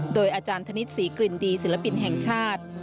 โดยอาจารย์ธนิษฐศรีกลิ่นดีศิลปินแห่งชาติ